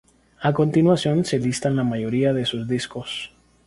A continuación se listan la mayoría de sus discos.